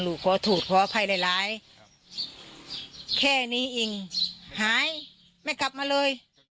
ลูกถูดพาไปมาเลย